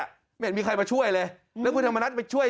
ไม่เห็นมีใครมาช่วยเลยแล้วคุณธรรมนัฐไปช่วย